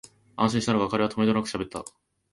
安心したのか、彼はとめどなくしゃべった